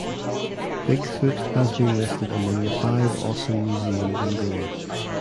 Big Foot has been listed among the "five awesome museums in Goa".